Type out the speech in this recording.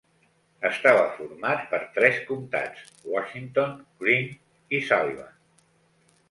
Estava format per tres comtats: Washington, Greene i Sullivan.